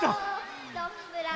どんぶらこ。